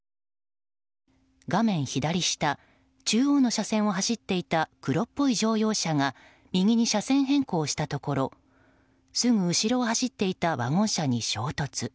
画面左下中央の車線を走っていた黒っぽい乗用車が右に車線変更したところすぐ後ろを走っていたワゴン車に衝突。